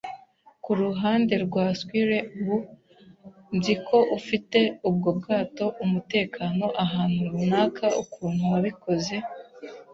kuruhande rwa squire ubu. Nzi ko ufite ubwo bwato umutekano ahantu runaka. Ukuntu wabikoze,